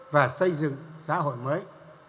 và xây dựng xã hội mới